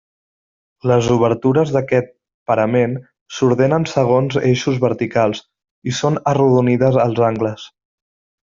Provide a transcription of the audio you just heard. Les obertures d'aquest parament s'ordenen segons eixos verticals i són arrodonides als angles.